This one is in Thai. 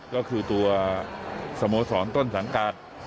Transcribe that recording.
ก็คือตัวสโมสรต้นสังกัด